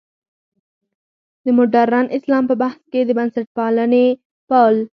د مډرن اسلام په بحث کې د بنسټپالنې پل.